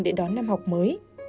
để đón năm học mới